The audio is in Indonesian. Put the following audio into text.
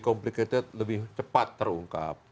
complicated lebih cepat terungkap